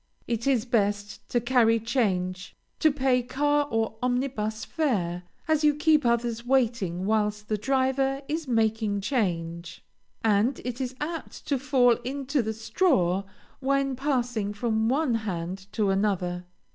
It is best to carry change to pay car or omnibus fare, as you keep others waiting whilst the driver is making change, and it is apt to fall into the straw when passing from one hand to another.